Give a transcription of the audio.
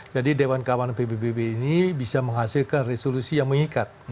jadi dewan kaman pbb ini bisa menghasilkan resolusi yang mengikat